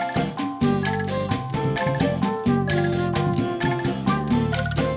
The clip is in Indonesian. jempol kakinya ketinggalan enggak